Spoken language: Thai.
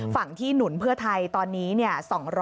ฝั่งที่หนุนเพื่อไทยตอนนี้เนี่ย